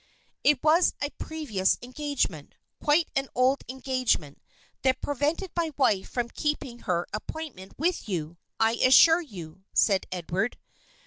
"It was a previous engagement, quite an old engagement, that prevented my wife from keeping her appointment with you, I assure you," said Edward.